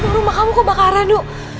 rumah kamu kebakaran nuh